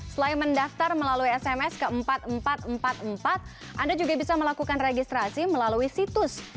selain mendaftar melalui sms ke empat ribu empat ratus empat puluh empat anda juga bisa melakukan registrasi melalui situs